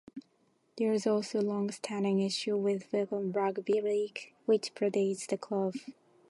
There is also a long-standing issue with Wigan Rugby League which predates the club.